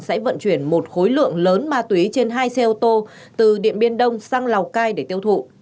sẽ vận chuyển một khối lượng lớn ma túy trên hai xe ô tô từ điện biên đông sang lào cai để tiêu thụ